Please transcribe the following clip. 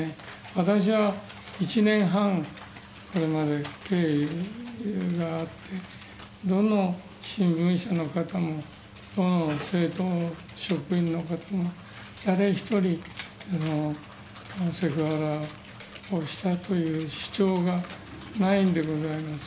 私は１年半、これまで経緯があって、どの新聞社の方もどの政党の職員の方も、誰一人セクハラをしたという主張がないんでございます。